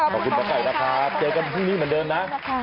ขอบคุณค่ะขอบคุณหมอไก้นะคะเจอกันที่นี่เหมือนเดิมนะ